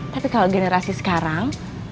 tapi kalau generasi sekarang